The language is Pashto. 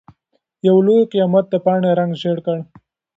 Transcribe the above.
يو لوی قيامت د پاڼې رنګ ژېړ کړ.